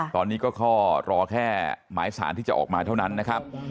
ตอนนี้ก็ข้อรอแค่หมายสารที่จะออกมาเท่านั้นนะครับ